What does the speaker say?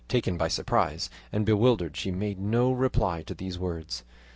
Taken by surprise and bewildered, she made no reply to these words.